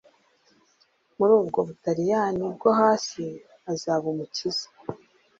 Muri ubwo Butaliyani bwo hasi azaba umukiza